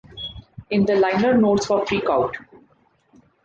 In the liner notes for Freak Out!